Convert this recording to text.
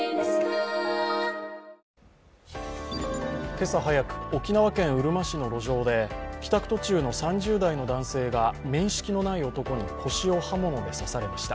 今朝早く沖縄県うるま市の路上で帰宅途中の３０代の男性が面識のない男に腰を刃物で刺されました。